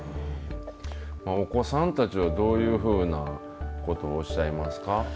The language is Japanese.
お子さんたちはどういうふうなことをおっしゃいますか？